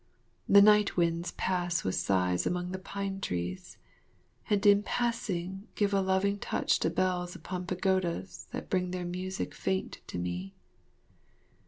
The night winds pass with sighs among the pine trees, and in passing give a loving touch to bells upon pagodas that bring their music faint to me.